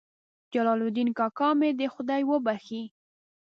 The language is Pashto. جلال الدین کاکا مې دې خدای وبخښي.